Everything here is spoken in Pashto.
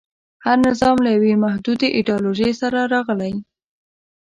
هر نظام له یوې محدودې ایډیالوژۍ سره راغلی.